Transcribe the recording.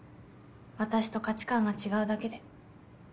私と価値観が違うだけで。